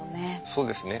そうですね。